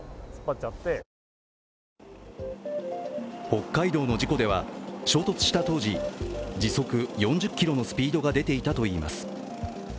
北海道の事故では、衝突した当時時速４０キロのスピードが出ていたといいます。